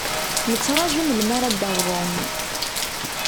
Nettṛaju melmi ara d-awḍen.